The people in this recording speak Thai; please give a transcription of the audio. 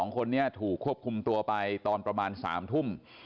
๒คนนี้ถูกควบคุมตัวไปตอนประมาณ๓ทุ่ม